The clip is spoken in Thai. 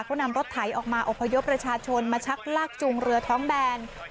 เขานำรถไถออกมาอพยพประชาชนมาชักลากจูงเรือท้องแบน